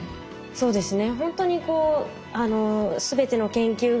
そうですね。